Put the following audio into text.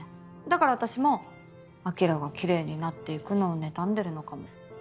だからあたしも晶が奇麗になっていくのをねたんでるのかも。